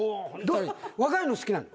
若いの好きなの。